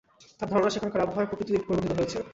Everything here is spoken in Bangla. তার ধারণা, সেখানকার আবহাওয়ার প্রকৃতিও পরিবর্তিত হয়েছে।